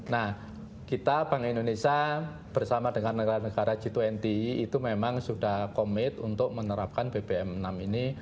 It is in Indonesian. nah kita bank indonesia bersama dengan negara negara g dua puluh itu memang sudah komit untuk menerapkan bbm enam ini